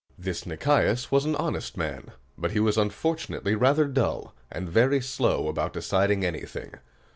This Nicias was an honest man; but he was unfortunately rather dull, and very slow about deciding anything.